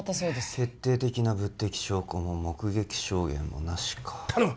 決定的な物的証拠も目撃証言もなしか頼む！